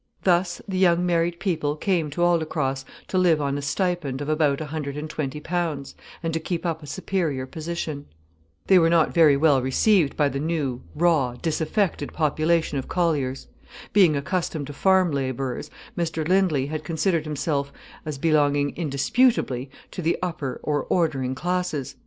Thus the young married people came to Aldecross to live on a stipend of about a hundred and twenty pounds, and to keep up a superior position. They were not very well received by the new, raw, disaffected population of colliers. Being accustomed to farm labourers, Mr Lindley had considered himself as belonging indisputably to the upper or ordering classes.